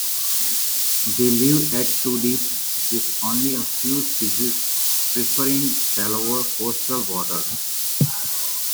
They live at to deep, with only a few species preferring shallower, coastal waters.